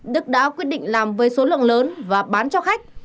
đức đã quyết định làm với số lượng lớn và bán cho khách